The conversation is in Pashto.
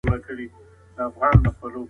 مثبت فکر انرژي نه ځنډوي.